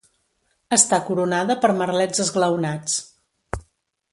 Està coronada per merlets esglaonats.